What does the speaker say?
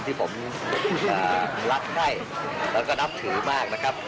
ที่ผมรักให้แล้วก็นับถือมากนะครับ